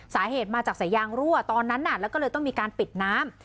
สาเหตุมาจากสายยางรั่วตอนนั้นแล้วก็เลยต้องมีการปิดน้ำ